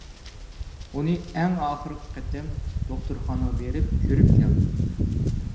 ئۇنى ئەڭ ئاخىرقى قېتىم دوختۇرخانىغا بېرىپ كۆرۈپ كەلدىم.